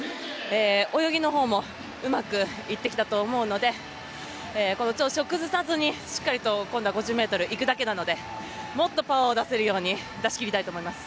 泳ぎのほうもうまくいってきたと思うのでこの調子を崩さずにしっかりと今度は５０ｍ、行くだけなのでもっとパワーを出せるように出しきりたいと思います。